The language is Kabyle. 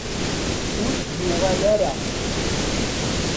Ur d-yuɣal ara.